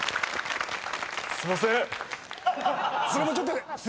すいません！